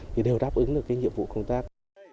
thì đều đáp ứng được cái nhiệm vụ công tác